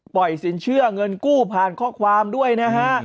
สินเชื่อเงินกู้ผ่านข้อความด้วยนะฮะ